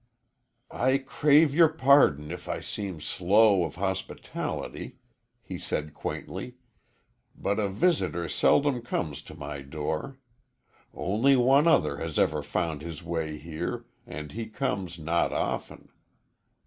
"I crave your pardon if I seem slow of hospitality," he said, quaintly, "but a visitor seldom comes to my door. Only one other has ever found his way here, and he comes not often."